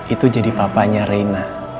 itu jadi papanya reina